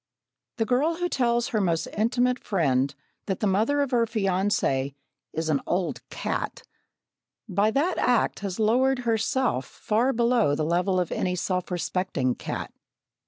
The girl who tells her most intimate friend that the mother of her fiancé "is an old cat," by that act has lowered herself far below the level of any self respecting cat.